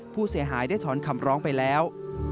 ผู้เสียหายได้ถอนคำร้องไปแล้ว